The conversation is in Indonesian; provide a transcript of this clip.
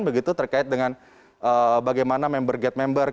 begitu terkait dengan bagaimana member get member